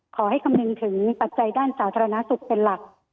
คำนึงถึงปัจจัยด้านสาธารณสุขเป็นหลัก